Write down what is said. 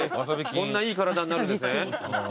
こんないい体になるんですね？